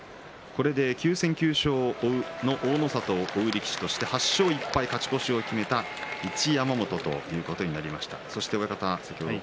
９戦９勝の大の里を追うのは８勝１敗、勝ち越しを決めた一山本ということになります。